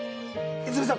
泉さん